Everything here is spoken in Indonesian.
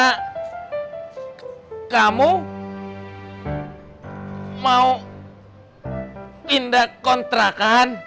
karena kamu mau pindah kontrakan